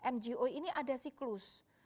mgo ini ada siklus